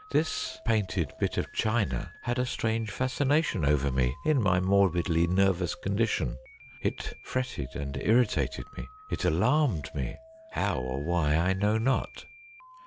This painted bit of china had a strange fascination over me in my morbidly nervous condition. It fretted and irritated me; it alarmed me. How, or why, I know not.